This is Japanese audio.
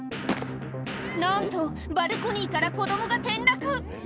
なんとバルコニーから子どもが転落。